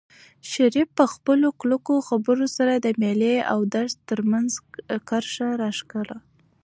شریف په خپلو کلکو خبرو سره د مېلې او درس ترمنځ کرښه راښکله.